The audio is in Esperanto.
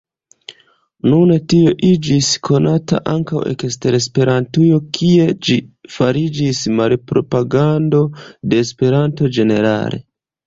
Nun tio iĝis konata ankaŭ ekster Esperantujo, kie ĝi fariĝis malpropagando de Esperanto ĝenerale.